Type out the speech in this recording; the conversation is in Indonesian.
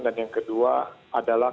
dan yang kedua adalah